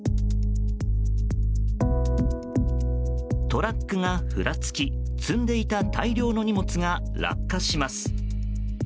トラックがふらつき積んでいた大量の荷物が落下します。